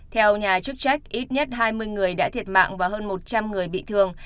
theo nhà chức trách ít nhất hai mươi người đã thiệt mạng và hơn một trăm linh người bị thương